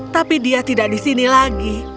tapi dia tidak di sini lagi